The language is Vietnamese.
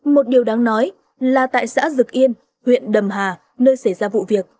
một điều đáng nói là tại xã dực yên huyện đầm hà nơi xảy ra vụ việc